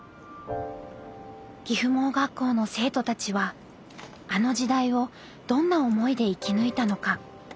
岐阜盲学校の生徒たちはあの時代をどんな思いで生き抜いたのか。